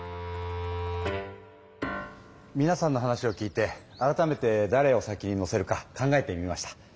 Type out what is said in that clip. みなさんの話を聞いて改めてだれを先に乗せるか考えてみました。